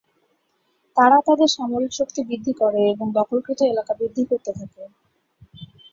তারা তাদের সামরিক শক্তি বৃদ্ধি করে এবং দখলকৃত এলাকা বৃদ্ধি করতে থাকে।